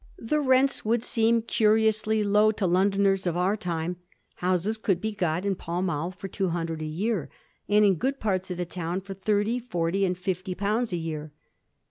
The rents would seem curiously low to Londoners of our time ; houses could be got in Pall MaU for two hundred a year, and in good parts of the town for thirty, forty, and fifty pounds a year.